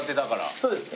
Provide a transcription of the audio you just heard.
そうですね。